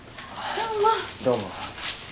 どうも。